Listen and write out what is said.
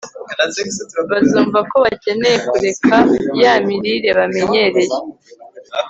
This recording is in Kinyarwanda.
Bazumva ko bakeneye kureka ya mirire bamenyereye